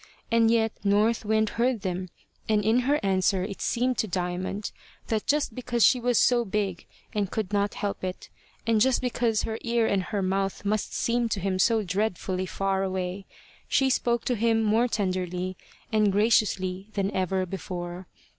And yet North Wind heard them, and in her answer it seemed to Diamond that just because she was so big and could not help it, and just because her ear and her mouth must seem to him so dreadfully far away, she spoke to him more tenderly and graciously than ever before.